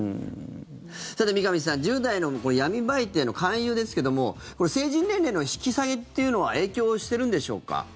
さて、三上さん１０代の闇バイトへの勧誘ですが成人年齢の引き下げというのは影響しているんでしょうか。